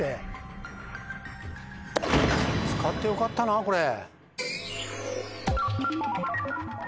使ってよかったなこれ。